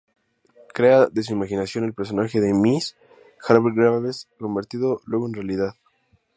Crea, de su imaginación, el personaje de "miss" Hargreaves, convertido luego en realidad.